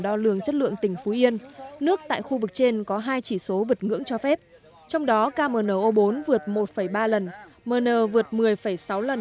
trong lượng tỉnh phú yên nước tại khu vực trên có hai chỉ số vượt ngưỡng cho phép trong đó kmno bốn vượt một ba lần mn vượt một mươi sáu lần